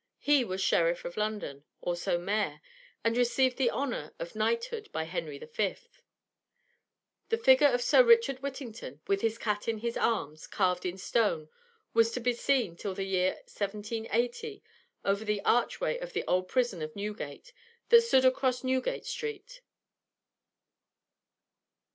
He was Sheriff of London, also Mayor, and received the honor of knighthood by Henry V. The figure of Sir Richard Whittington with his cat in his arms, carved in stone, was to be seen till the year 1780 over the archway of the old prison of Newgate, that stood across Newgate Street.